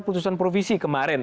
putusan provisi kemarin